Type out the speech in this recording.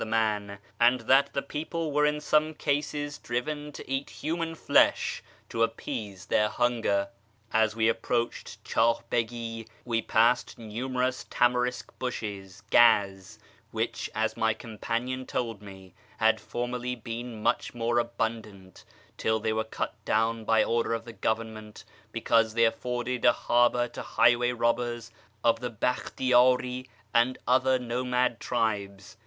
the man, and that tlie people were in some cases driven to eat human flesh to appease their hunger. As we approached Chdh Begi we passed numerous tamarisk bushes {gaz), which, as my companion told me, had formerly been much more abundant, till they were cut down by order of the Government, because they afforded a harbour to highway robbers of the Bakhtiyari and other nomad tribes.